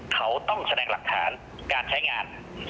เขาต้องแสดงหลักฐานการใช้งาน